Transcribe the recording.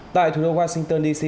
tại thủ đô washington dc